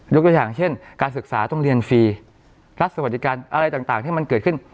ตัวอย่างเช่นการศึกษาต้องเรียนฟรีรัฐสวัสดิการอะไรต่างที่มันเกิดขึ้น